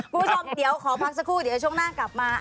คุณผู้ชมเดี๋ยวขอพักสักครู่เดี๋ยวช่วงหน้ากลับมา